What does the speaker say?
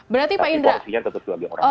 berarti pak indra